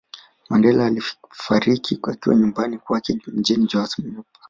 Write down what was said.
Mandela alifariki akiwa nyumbani kwake mjini Johanesburg